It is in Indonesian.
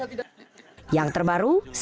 setia vanto menerima pemberian dari kppi